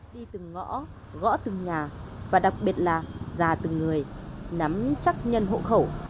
đi từng ngõ gõ từng nhà và đặc biệt là già từng người nắm chắc nhân hộ khẩu